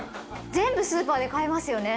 全部スーパーで買えますよね。